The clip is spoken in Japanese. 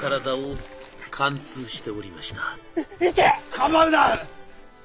構うな！